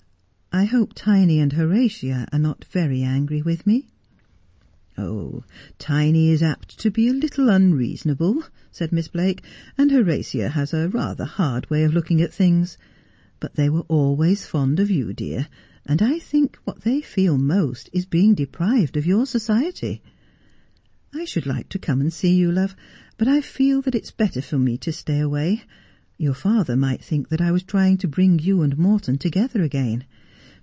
I hope Tiny and Horatia are not very angry with me.' ' Tiny is apt to be a little unreasonable,' said Miss Blake, ' and Horatia has rather a hard way of looking at things. But they were always fond of you, dear, and I think what they feel most is being deprived of your society. I should like to come and see you, love, but I feel that it is better for me to stay away. Your father might think that I was trying to bring you and Morton together again.